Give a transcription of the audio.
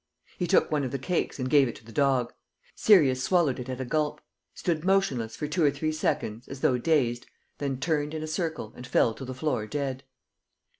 He took one of the cakes and gave it to the dog. Sirius swallowed it at a gulp, stood motionless for two or three seconds, as though dazed, then turned in a circle and fell to the floor dead.